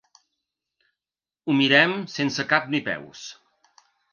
Ho mirem sense cap ni peus.